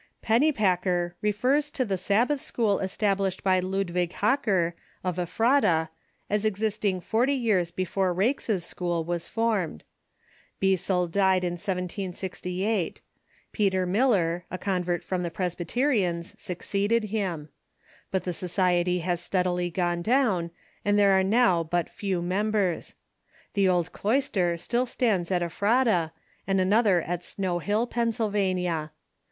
Pennypacker refers to the Sabbath school established by Ludwig Hacker, of E])hrata, as existing forty years before Raikes's school was founded. Beissel died in 1768. Peter Miller, a convert from the Presbyterians, suc ceeded him. But the society has steadily gone down, and there are now but few members. The old cloister still stands at Ephrata, and another at Snow Hill, Pennsylvania.